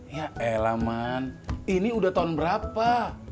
ya elemen ini udah tahun berapa